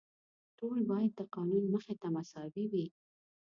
ټول باید د قانون مخې ته مساوي وي.